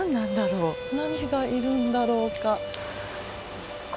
何がいるんだろうか。